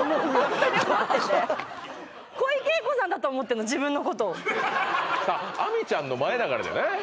ホントに思ってて小池栄子さんだと思ってんの自分のことを亜美ちゃんの前だからじゃない？